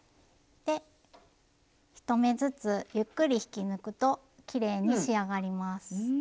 で１目ずつゆっくり引き抜くときれいに仕上がります。